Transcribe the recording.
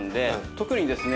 特にですね